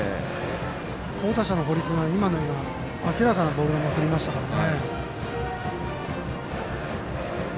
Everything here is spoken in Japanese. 好打者の堀君が今のような明らかなボールを振りましたからね。